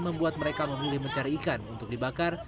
membuat mereka memilih mencari ikan untuk dibakar